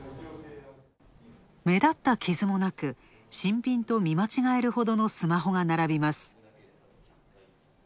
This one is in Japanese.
目立った傷もなく新品と見間違えるほどのスマホが並びます。